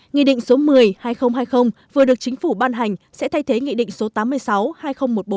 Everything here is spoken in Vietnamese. nghị định số một mươi hai nghìn hai mươi vừa được chính phủ ban hành sẽ thay thế nghị định số tám mươi sáu hai nghìn một mươi bốn